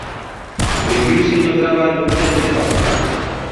Prohibíuselle o traballo docente e pastoral.